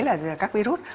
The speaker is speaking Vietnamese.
đấy là các virus